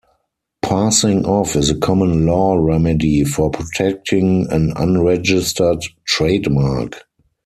Passing off is a common law remedy for protecting an unregistered trademark.